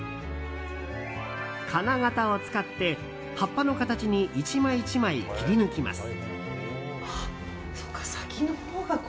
金型を使って葉っぱの形に１枚１枚切り抜きます。